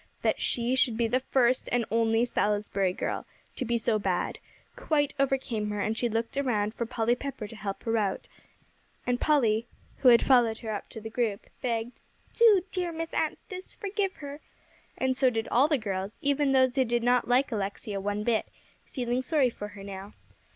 That she should be the first and only Salisbury girl to be so bad, quite overcame her, and she looked around for Polly Pepper to help her out. And Polly, who had followed her up to the group, begged, "Do, dear Miss Anstice, forgive her." And so did all the girls, even those who did not like Alexia one bit, feeling sorry for her now.